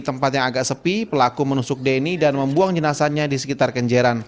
tempat yang agak sepi pelaku menusuk deni dan membuang jenazahnya di sekitar kenjeran